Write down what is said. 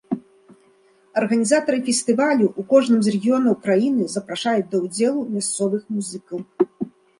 Арганізатары фестывалю ў кожным з рэгіёнаў краіны запрашаюць да ўдзелу мясцовых музыкаў.